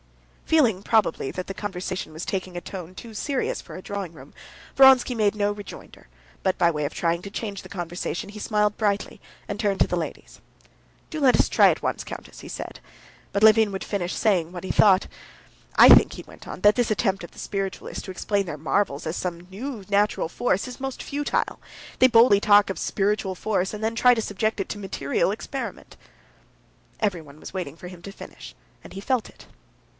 Feeling probably that the conversation was taking a tone too serious for a drawing room, Vronsky made no rejoinder, but by way of trying to change the conversation, he smiled brightly, and turned to the ladies. "Do let us try at once, countess," he said; but Levin would finish saying what he thought. "I think," he went on, "that this attempt of the spiritualists to explain their marvels as some sort of new natural force is most futile. They boldly talk of spiritual force, and then try to subject it to material experiment." Everyone was waiting for him to finish, and he felt it.